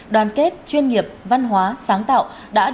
đoàn kết chuyên nghiệp văn hóa